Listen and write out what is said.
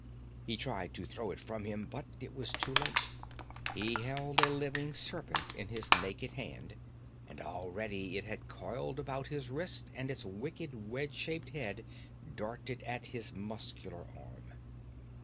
He tried to throw it from him, but it was too late. He held a living serpent in his naked hand, and already it had coiled about his wrist and its wicked wedge shaped head darted at his muscular arm.